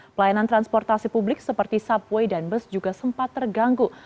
pelayanan transportasi publik seperti subway dan bus juga sempat terganggu